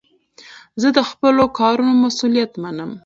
زه د خپلو کارونو مسئولیت منم.